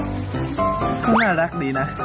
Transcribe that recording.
อ๊าวคือน่ารักดีนะ